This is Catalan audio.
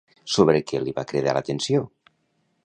Sobre què li va cridar l'atenció?